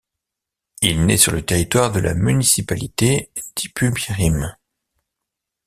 Il naît sur le territoire de la municipalité d'Ipumirim.